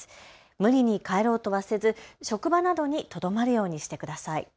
無理に帰ろうとはせず職場などにとどまるようにしてください。